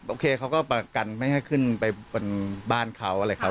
โอเคเขาก็ประกันให้ขึ้นไปบ้านเขาอะไรครับ